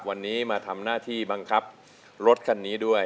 วันนี้มาทำหน้าที่บังคับรถคันนี้ด้วย